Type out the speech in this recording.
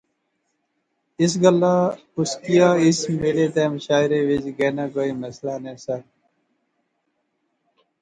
اس گلاہ اس کیا اس میلے تہ مشاعرے وچ گینا کوئی مسئلہ نہسا